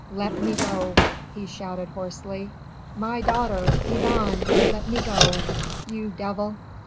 Let me go!" he shouted hoarsely. "My daughter! Yvonne! Let me go! You devil!"